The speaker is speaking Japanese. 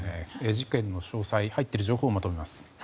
事件の詳細入っている情報をまとめます。